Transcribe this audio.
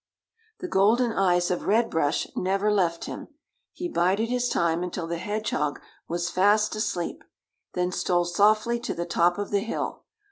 The golden eyes of Red Brush never left him; he bided his time until the hedgehog was fast asleep, then stole softly to the top of the hill.